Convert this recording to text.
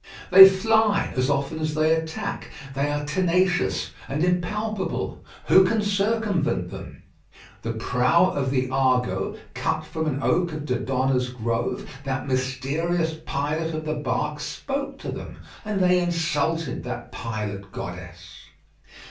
They fly as often as they attack. They are tenacious and impalpable. Who can circumvent them? The prow of the Argo, cut from an oak of Dodona's grove, that mysterious pilot of the bark, spoke to them, and they insulted that pilot goddess.